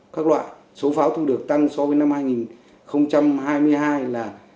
các loại số pháo thu được tăng so với năm hai nghìn hai mươi hai là